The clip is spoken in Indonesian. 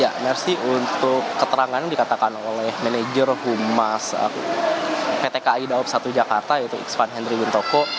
ya mersi untuk keterangan dikatakan oleh manajer humas pt kai daob satu jakarta yaitu iksan henry wintoko